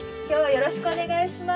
よろしくお願いします。